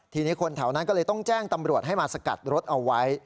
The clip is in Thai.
ทีนี้คนแถวนั้นก็เลยต้องแจ้งตำรวจให้มาสกัดรถเอาไว้